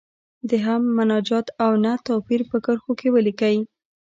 د حمد، مناجات او نعت توپیر په کرښو کې ولیکئ.